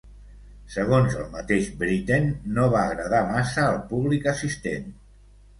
Segons el mateix Britten, no va agradar massa al públic assistent.